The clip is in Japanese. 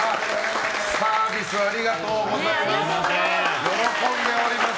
サービスありがとうございます。